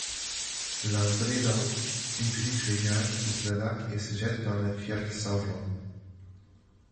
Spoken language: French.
La Breiðá, une petite rivière, quitte le lac et se jette dans le Fjallsárlón.